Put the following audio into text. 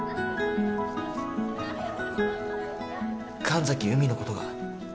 神崎うみのことが